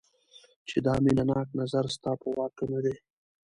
دا مینه ناک نظر ستا په واک کې نه دی.